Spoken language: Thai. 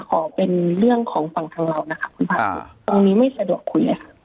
ขอเป็นเรื่องของฝั่งทางเรานะครับตรงนี้ไม่สะดวกคุยเลยค่ะ